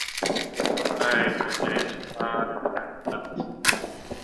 又派元行钦杀死刘仁恭的其他儿子们。